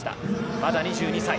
まだ２２歳。